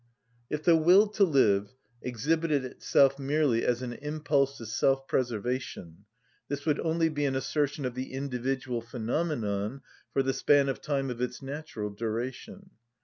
If the will to live exhibited itself merely as an impulse to self‐ preservation, this would only be an assertion of the individual phenomenon for the span of time of its natural duration.